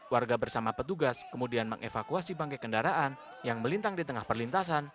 warga bersama petugas kemudian mengevakuasi bangkai kendaraan yang melintang di tengah perlintasan